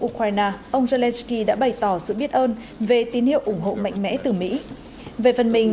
ukraine ông zelenskyy đã bày tỏ sự biết ơn về tín hiệu ủng hộ mạnh mẽ từ mỹ về phần mình